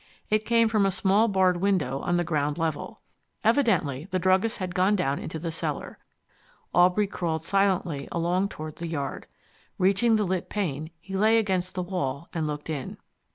It came from a small barred window on the ground level. Evidently the druggist had gone down into the cellar. Aubrey crawled silently along toward the yard. Reaching the lit pane he lay against the wall and looked in.